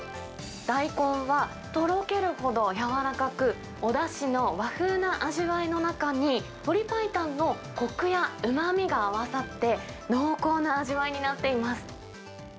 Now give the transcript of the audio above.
大根は、とろけるほど軟らかく、おだしの和風な味わいの中に、鶏白湯のこくやうまみが合わさって、濃厚な味わいになっています。